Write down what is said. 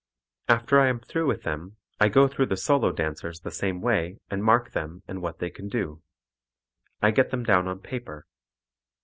After I am through with them I go through the solo dancers the same way and mark them and what they can do. I get them down on paper.